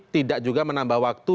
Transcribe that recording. tidak juga menambah waktu